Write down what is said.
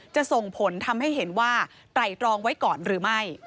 จะส่งผลทำให้เห็นว่าไตรตรองไว้ก่อนหรือไม่